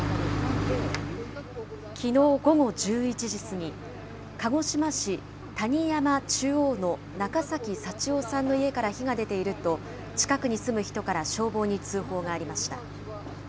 きのう午後１１時過ぎ、鹿児島市谷山中央の中崎幸男さんの家から火が出ていると、近くに住む人から消防に通報がありました。